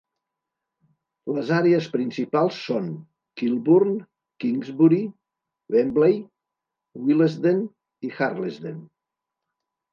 Les àrees principals són Kilburn, Kingsbury, Wembley, Willesden i Harlesden.